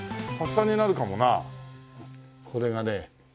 これがね